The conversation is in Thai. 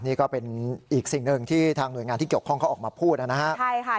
นี่ก็เป็นอีกสิ่งหนึ่งที่ทางหน่วยงานที่เกี่ยวข้องเขาออกมาพูดนะครับ